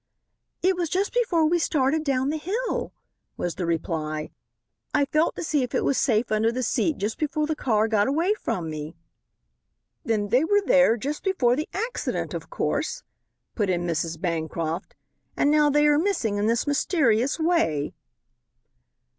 "It was just before we started down the hill," was the reply. "I felt to see if it was safe under the seat just before the car got away from me." "Then they were there just before the accident, of course," put in Mrs. Bancroft. "And now they are missing in this mysterious way."